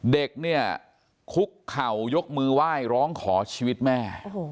เด็กเนี่ยคุกเข่ายกมือไหว้ร้องขอชีวิตแม่